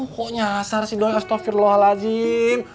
kok nyasar sih doi astagfirullahaladzim